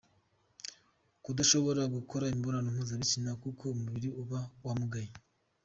Kudashobora gukora imibonano mpuzabitsina kuko umubiri uba wumagaye.